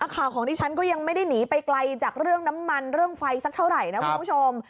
ข่าวของดิฉันก็ยังไม่ได้หนีไปไกลจากเรื่องน้ำมันเรื่องไฟสักเท่าไหร่นะคุณผู้ชม